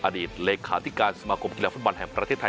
อดีตเลขาธิการสมาคมกีฬาฟุตบอลแห่งประเทศไทย